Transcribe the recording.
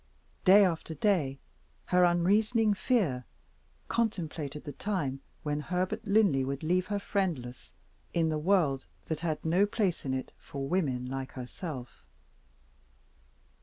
Day after day, her unreasoning fear contemplated the time when Herbert Linley would leave her friendless, in the world that had no place in it for women like herself.